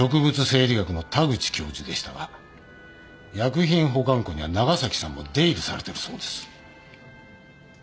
生理学の田口教授でしたが薬品保管庫には長崎さんも出入りされてるそうです。